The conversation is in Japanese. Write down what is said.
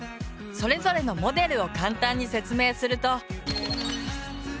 それぞれのモデルを簡単に説明すると。